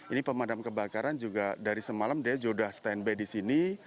ini pemadam kebakaran juga dari semalam dia sudah stand by di sini